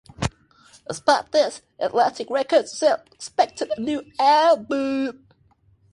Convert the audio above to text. Despite this, Atlantic Records still expected a new album.